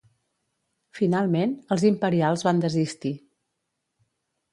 Finalment, els imperials van desistir.